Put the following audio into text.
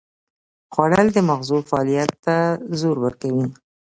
خوړل د مغزو فعالیت ته زور ورکوي